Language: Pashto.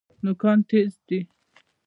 نوکان تیز دي.